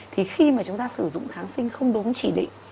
thì khi mà chúng ta sử dụng kháng sinh không đúng chỉ định